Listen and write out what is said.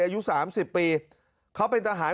อายุ๓๐ปีเขาเป็นทหาร